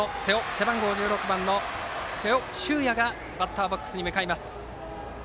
背番号１６番の瀬尾修也がバッターボックスに向かいます。